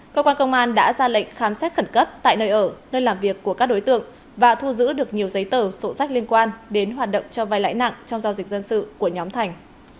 cơ quan công an đã ra lệnh khám xét khẩn cấp tại nơi ở nơi làm việc của các đối tượng và thu giữ được nhiều giấy tờ sổ sách liên quan đến hoạt động cho vai lãi nặng trong giao dịch dân sự của nhóm thành